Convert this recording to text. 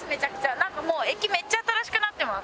なんかもう駅めっちゃ新しくなってます。